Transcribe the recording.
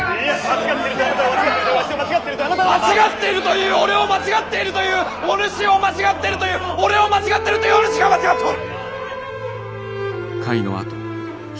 間違っているという俺を間違っているというお主を間違ってるという俺を間違ってるというお主が間違っておる！